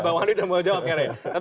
bang wandi udah mau jawab